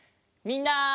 みんな！